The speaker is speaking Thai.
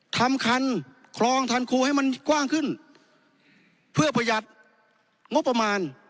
ทำคันคลองทันครูให้มันกว้างขึ้นเพื่อประหยัดงบประมาณ